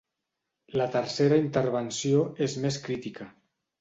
La tercera intervenció és més crítica.